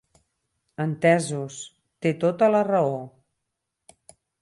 Entesos, té tota la raó.